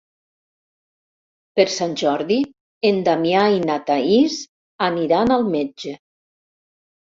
Per Sant Jordi en Damià i na Thaís aniran al metge.